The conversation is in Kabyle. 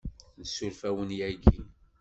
Nessuref-awen yagi.